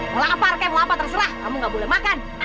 mau lapar kayak mau apa terserah kamu nggak boleh makan